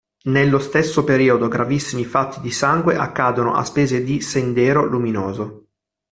Nello stesso periodo gravissimi fatti di sangue accadono a spese di Sendero Luminoso.